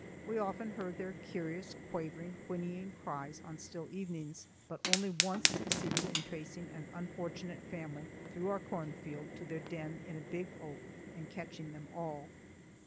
We often heard their curious, quavering, whinnying cries on still evenings, but only once succeeded in tracing an unfortunate family through our corn field to their den in a big oak and catching them all.